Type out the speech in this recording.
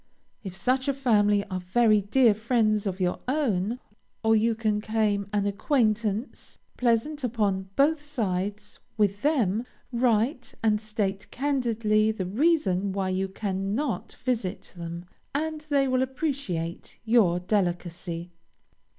If such a family are very dear friends of your own, or you can claim an acquaintance, pleasant upon both sides, with them, write, and state candidly the reason why you cannot visit them, and they will appreciate your delicacy.